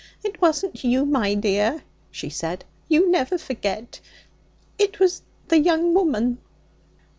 'It wasn't you, my dear,' she said; 'you never forget; it was the young woman.'